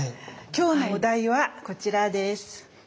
今日のお題はこちらです。